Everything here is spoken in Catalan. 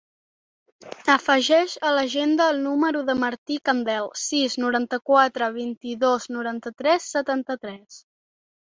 Afegeix a l'agenda el número del Martí Candel: sis, noranta-quatre, vint-i-dos, noranta-tres, setanta-tres.